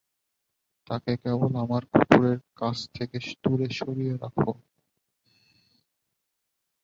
তাকে কেবল আমার কুকুর এর কাছ থেকে দূরে সরিয়ে রেখো।